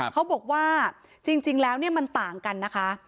เขาบอกว่าจริงแล้วมันต่างกันนะคะ